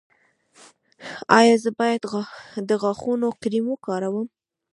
ایا زه باید د غاښونو کریم وکاروم؟